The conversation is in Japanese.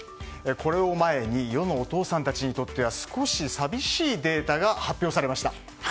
これを前に世のお父さんたちにとっては少し寂しいデータが発表されました。